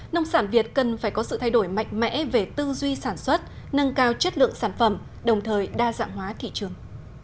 nông sản việt cần phải có sự thay đổi mạnh mẽ về tư duy sản xuất nâng cao chất lượng sản phẩm đồng thời đa dạng hóa thị trường